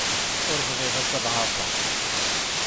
Ur bɣiɣ akk ad ɛerḍeɣ.